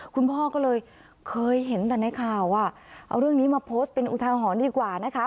คุณพ่อก็เลยเคยเห็นแต่ในข่าวอ่ะเอาเรื่องนี้มาโพสต์เป็นอุทาหรณ์ดีกว่านะคะ